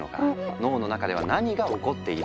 脳の中では何が起こっているのか？